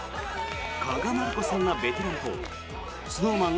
加賀まりこさんらベテランとＳｎｏｗＭａｎ